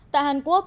tại hàn quốc